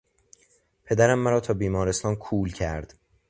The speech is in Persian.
پدرم مرا تا بیمارستان کول کرد.